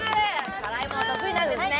辛いもの得意なんですね。